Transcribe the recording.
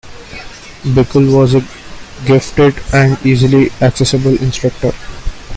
Bickel was a gifted and easily accessible instructor.